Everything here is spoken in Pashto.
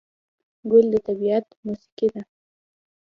ګل د طبیعت موسیقي ده.